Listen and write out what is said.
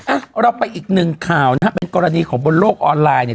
อ่ะเราไปอีกหนึ่งข่าวนะฮะเป็นกรณีของบนโลกออนไลน์เนี่ย